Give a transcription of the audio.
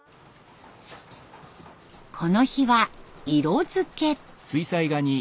この日は色づけ。